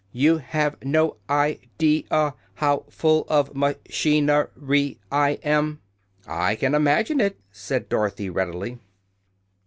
You have no i de a how full of ma chin er y I am." "I can imagine it," said Dorothy, readily.